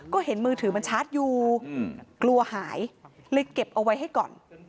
ก็เห็นมือถือมันชาร์จอยู่กลัวหายเลยเก็บเอาไว้ให้ก่อน